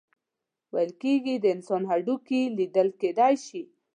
ویل کیږي د انسان هډوکي لیدل کیدی شي.